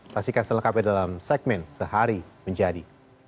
saksikan selengkapnya dalam segmen sehari menjadi